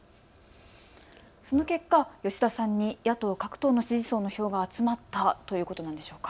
その結果、吉田さんに野党各党の支持層の票が集まったということなんでしょうか。